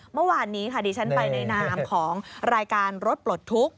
เมื่อวานนี้ค่ะดิฉันไปในนามของรายการรถปลดทุกข์